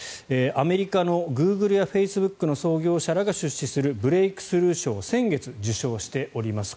アメリカのグーグルやフェイスブックの創業者らが出資するブレークスルー賞を先月、受賞しております。